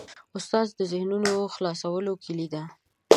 استاد د ذهنونو خلاصولو کلۍ ده.